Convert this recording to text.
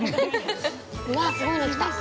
うわっ、すごいの来た。